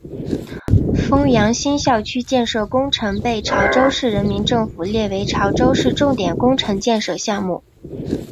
枫洋新校区建设工程被潮州市人民政府列为潮州市重点工程建设项目。